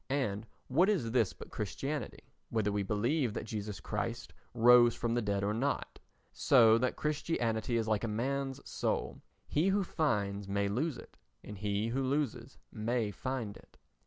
And what is this but Christianity, whether we believe that Jesus Christ rose from the dead or not? So that Christianity is like a man's soul—he who finds may lose it and he who loses may find it.